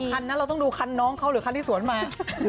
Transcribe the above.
คันนั้นเราต้องดูคันน้องเขาหรือคันที่สวนมา